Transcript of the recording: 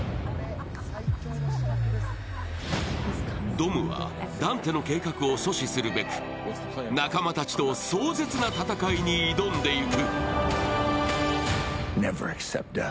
ドムはダンテの計画を阻止するべく、仲間たちと壮絶な戦いに挑んでいく。